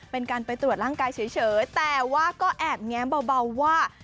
เป็นการไปตรวจร่างกายเฉยแต่ว่าก็แอบแง้มเบาว่า